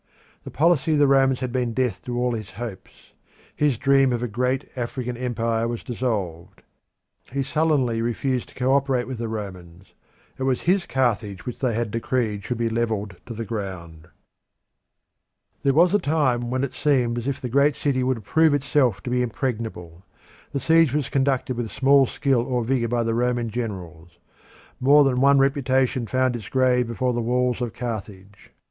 The policy of the Romans had been death to all his hopes. His dream of a great African empire was dissolved. He sullenly refused to co operate with the Romans it was his Carthage which they had decreed should be levelled to the ground. There was a time when it seemed as if the great city would prove itself to be impregnable; the siege was conducted with small skill or vigour by the Roman generals. More than one reputation found its grave before the walls of Carthage.